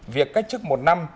việc cách chức một năm